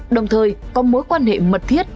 đồng thời có mối quan hệ mật thiết